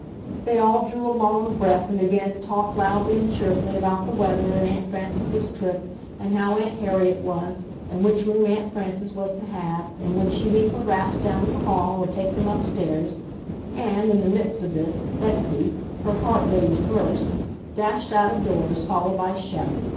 They all drew a long breath and began to talk loudly and cheerfully about the weather and Aunt Frances's trip and how Aunt Harriet was and which room Aunt Frances was to have and would she leave her wraps down in the hall or take them upstairs—and, in the midst of this, Betsy, her heart ready to burst, dashed out of doors, followed by Shep.